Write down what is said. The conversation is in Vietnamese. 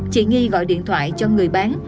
chị nghi gọi điện thoại cho người bán